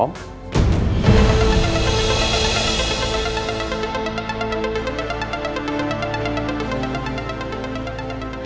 memang gue suka